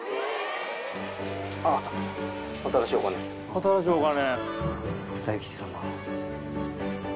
新しいお金。